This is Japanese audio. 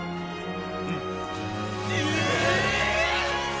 うん。